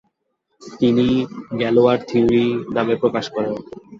তিনি গ্যালোয়ার থিওরি নামে প্রকাশ করেন।